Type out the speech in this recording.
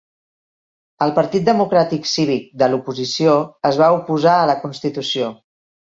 El Partit Democràtic Cívic de l'oposició es va oposar a la Constitució.